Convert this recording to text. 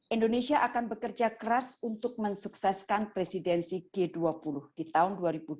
indonesia akan bekerja keras untuk mensukseskan presidensi g dua puluh di tahun dua ribu dua puluh